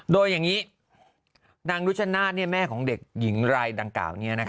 โดยอย่างนี้นางรุชนาธิ์แม่ของเด็กหญิงรายดังกล่าว